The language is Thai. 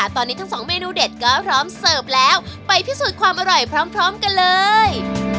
ตอนนี้ทั้งสองเมนูเด็ดก็พร้อมเสิร์ฟแล้วไปพิสูจน์ความอร่อยพร้อมกันเลย